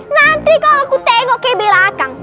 nanti kalau aku tengok ke belakang